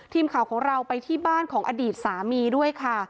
ทีมข่าวของเราไปที่บ้านของอดีตสามีด้วยค่ะ